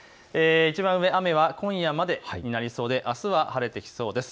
雨は今夜までになりそうであすは晴れてきそうです。